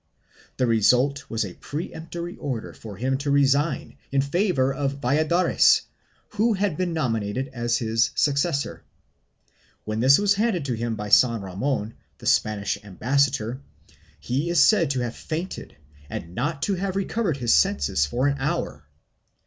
The result was a peremptory order for him to resign in favor of Valladares, who had been nominated as his successor. When this was handed to him by San Roman, the Spanish ambassador, he is said to have fainted and not to have recovered his senses for an hour.